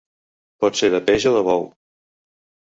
Pot ser de peix o de bou.